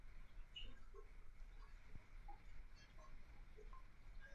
Ruégote que me dejes coger y juntar tras los segadores entre las gavillas